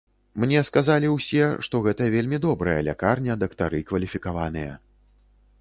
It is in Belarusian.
Мне сказалі ўсе, што гэта вельмі добрая лякарня дактары кваліфікаваныя.